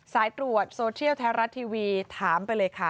สายตรวจโซเชียลไทยรัฐทีวีถามไปเลยค่ะ